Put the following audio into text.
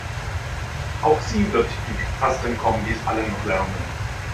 Auch sie wird die Tastenkombis alle noch lernen.